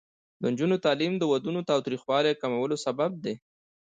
د نجونو تعلیم د ودونو تاوتریخوالي کمولو سبب دی.